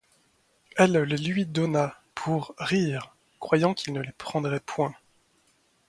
Elle les lui donna, pour rire, croyant qu’il ne les prendrait point.